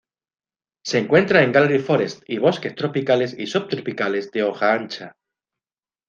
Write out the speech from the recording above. Se encuentra en gallery forest y Bosques tropicales y subtropicales de hoja ancha.